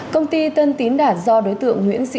công ty tân tín đản do đối tượng nguyễn phúc nguyễn